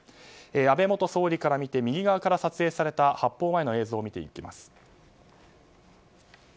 安倍元総理からみて右側から撮影された発砲前の映像を見ていきます。